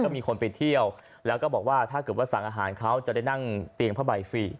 มีคนไปเที่ยวแล้วก็บอกว่าถ้าเกิดว่าสั่งอาหารเขาจะได้นั่งเตียงผ้าใบฟรี